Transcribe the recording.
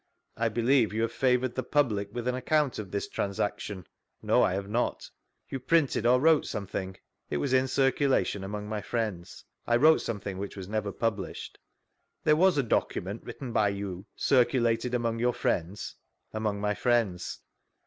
I believe you have favoured the public with an account of this transaction ?— No, I have not. You printed or wrote something? — It was in circulation among my friends. I wrote something which was never published. There was a document, written by you, circu lated among your friends? — Among my friends.